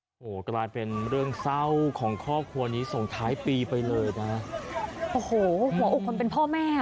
โอ้โหกลายเป็นเรื่องเศร้าของครอบครัวนี้ส่งท้ายปีไปเลยนะโอ้โหหัวอกคนเป็นพ่อแม่อ่ะ